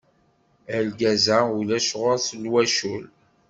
Argaz-a ulac ɣur-s lwacul.